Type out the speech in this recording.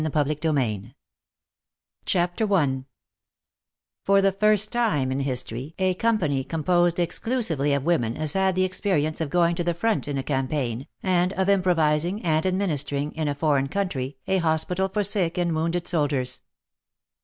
204 WAR AND WOMEN CHAPTER I For the first time in history a company com posed exclusively of women has had the ex perience of going to the front in a campaign, and of improvizing and administering, in a foreign country, a hospital for sick and wounded soldiers.